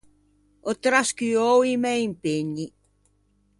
Ò trascuou i mæ impegni.